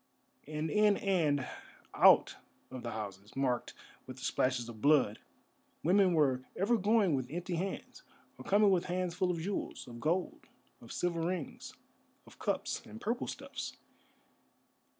And in and out of the houses marked with the splashes of blood women were ever going with empty hands, or coming with hands full of jewels, of gold, of silver rings, of cups, and purple stuffs.